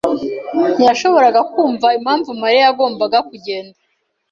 ntiyashoboraga kumva impamvu Mariya yagombaga kugenda.